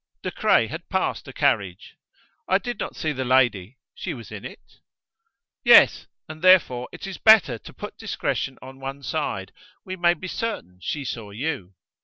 De Craye had passed a carriage. "I did not see the lady. She was in it?" "Yes. And therefore it is better to put discretion on one side: we may be certain she saw you."